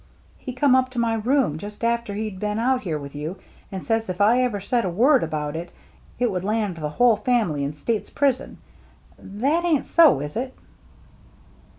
" He come up to my room just after he'd been out here with you, and says if I ever said a word about it, it would land the whole family in state's prison. That ain't so, is it